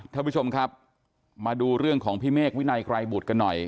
ท่านผู้ชมครับมาดูเรื่องของพี่เมฆวินัยไกรบุตรกันหน่อย